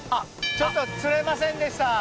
ちょっと釣れませんでした。